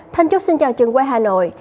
thanh chúc xin chào trường quay hà nội